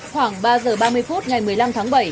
khoảng ba giờ ba mươi phút ngày một mươi năm tháng bảy